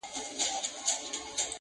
نه احتیاج یمه د علم نه محتاج د هنر یمه ,